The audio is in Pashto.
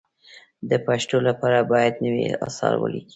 د پښتو لپاره باید نوي اثار ولیکل شي.